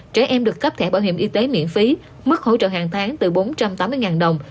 trẻ em được cấp thẻ bảo hiểm y tế miễn phí mức hỗ trợ hàng tháng từ bốn trăm tám mươi đồng